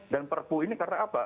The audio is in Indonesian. dan perpu ini karena apa